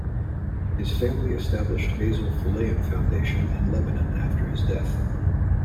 His family established Basil Fuleihan Foundation in Lebanon after his death.